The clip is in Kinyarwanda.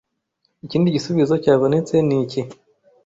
Ikindi gisubizo cyabonetse ni iki